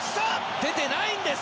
出てないんです！